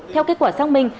theo kết quả xác minh